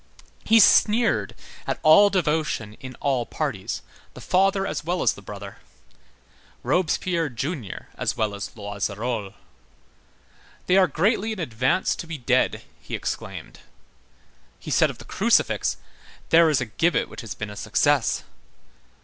He sneered at all devotion in all parties, the father as well as the brother, Robespierre junior as well as Loizerolles. "They are greatly in advance to be dead," he exclaimed. He said of the crucifix: "There is a gibbet which has been a success."